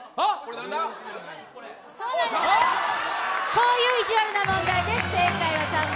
こういういじわるな問題です。